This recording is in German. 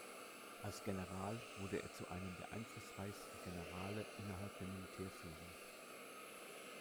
Als General wurde er zu einem der einflussreichsten Generale innerhalb der Militärführung.